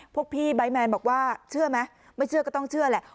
พวกพี่ไบท์แมนบอกว่าเชื่อไหมไม่เชื่อก็ต้องเชื่อแหละ